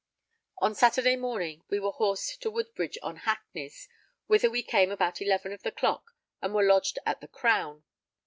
On Saturday morning we were horsed to Woodbridge on hackneys, whither we came about 11 of the clock and were lodged at the Crown.